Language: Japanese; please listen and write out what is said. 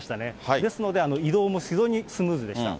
ですので、移動も非常にスムーズでした。